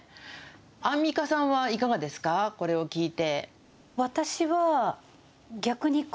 アンミカさんはいかがですか、これを聞いて。